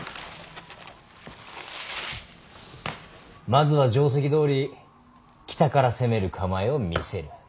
まずは定石どおり北から攻める構えを見せる。